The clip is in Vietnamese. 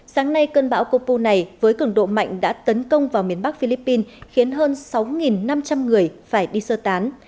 sáng nay cơn bão copu này với cường độ mạnh đã tấn công vào miền bắc philippines khiến hơn sáu năm trăm linh người phải đi sơ tán